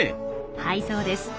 はいそうです。